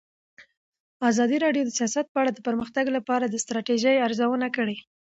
ازادي راډیو د سیاست په اړه د پرمختګ لپاره د ستراتیژۍ ارزونه کړې.